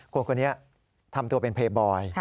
คนคนนี้ทำตัวเป็นเพย์บอย